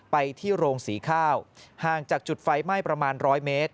ไปที่โรงสีข้าวห่างจากจุดไฟไหม้ประมาณร้อยเมตร